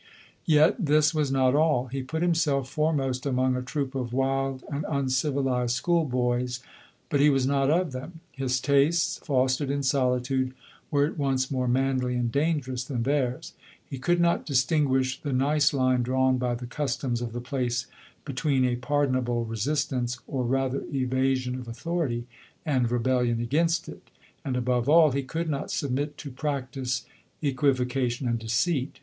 Yet this was not all. He put himself foremost among a troop of wild and uncivilized school boys; but he was not of them. His tastes, fos tered in solitude, were at once more manly anel dangerous than theirs. He could not distin guish the nice line drawn by the customs of the place between a pardonable resistance, or rather evasion of authority, and rebellion against it ; and above all, he could not submit to practise equivocation and deceit.